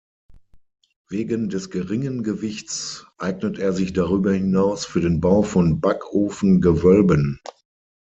Wegen des geringen Gewichts eignet er sich darüber hinaus für den Bau von Backofen-Gewölben.